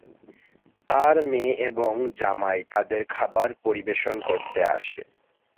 তার মেয়ে এবং জামাই তাদের খাবার পরিবেশন করতে আসে।